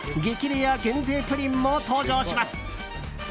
レア限定プリンも登場します。